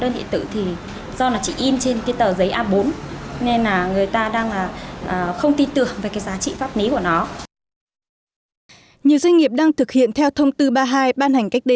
nhiều doanh nghiệp đang thực hiện theo thông tư ba mươi hai ban hành cách d tám mươi năm